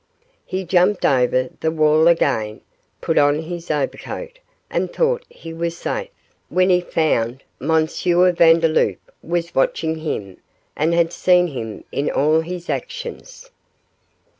He jumped over the wall again, put on his overcoat, and thought he was safe, when he found M. Vandeloup was watching him and had seen him in all his actions.